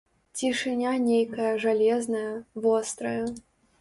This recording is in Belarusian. Цішыня нейкая жалезная, вострая.